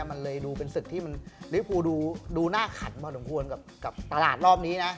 มันเลยเป็นศึกที่ลิฟพูดูหน้าขันมากร้องคว้นกับตลาดรอบนี้นะ